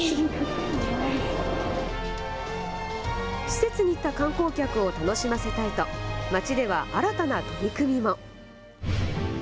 施設に来た観光客を楽しませたいと街では新たな取り組みも。